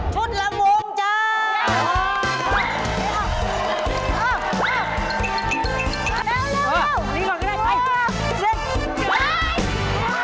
ชุดลำวงจ้า